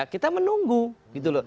kita menunggu gitu loh